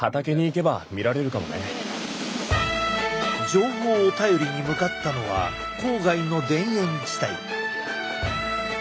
情報を頼りに向かったのは郊外の田園地帯。